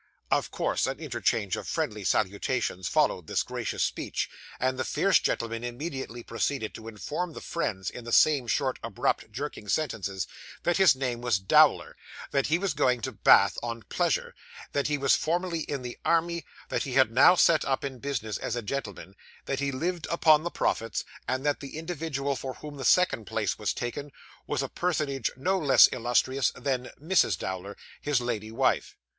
Of course, an interchange of friendly salutations followed this gracious speech; and the fierce gentleman immediately proceeded to inform the friends, in the same short, abrupt, jerking sentences, that his name was Dowler; that he was going to Bath on pleasure; that he was formerly in the army; that he had now set up in business as a gentleman; that he lived upon the profits; and that the individual for whom the second place was taken, was a personage no less illustrious than Mrs. Dowler, his lady wife.